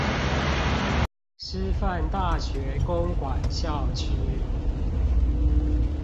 師範大學公館校區